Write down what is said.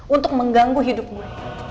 untuk mengganggu hidup gue